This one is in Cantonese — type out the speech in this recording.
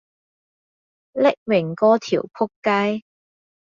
匿名嗰條僕街